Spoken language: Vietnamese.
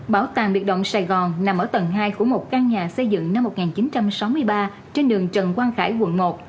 bảo tàng biệt động sài gòn nằm ở tầng hai của một căn nhà xây dựng năm một nghìn chín trăm sáu mươi ba trên đường trần quang khải quận một